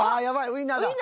ウインナーだ。